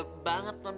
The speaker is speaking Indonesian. beda banget ton